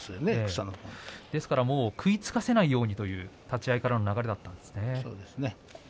食いつかれないようにという立ち合いからの流れだったんですね。